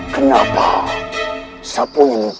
jangan terlalu meluah